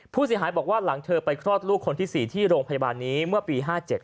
ผู้เสียหายบอกว่าหลังเธอไปคลอดลูกคนที่๔ที่โรงพยาบาลนี้เมื่อปี๕๗